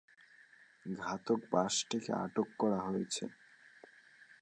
ঘাতক বাসটিকে আটক করা হয়েছে।